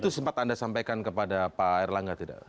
itu sempat anda sampaikan kepada pak erlangga tidak